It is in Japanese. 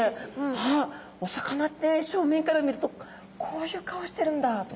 あっお魚ってしょうめんから見るとこういう顔してるんだと。